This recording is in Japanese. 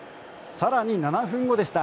更に、７分後でした。